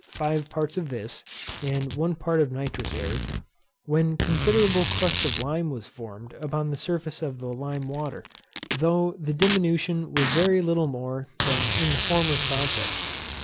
five parts of this, and one part of nitrous air: when considerable crust of lime was formed upon the surface of the lime water, though the diminution was very little more than in the former process.